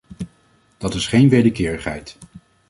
Dat is geen wederkerigheid.